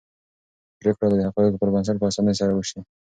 پرېکړه به د حقایقو پر بنسټ په اسانۍ سره وشي.